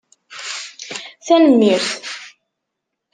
Tanemmirt.